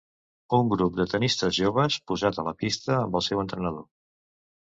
Un grup de tennistes joves posant a la pista amb el seu entrenador.